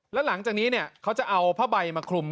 แล้วหลังจากนี้เขาจะเอาผ้าใบมาคลุม